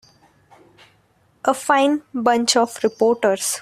A fine bunch of reporters.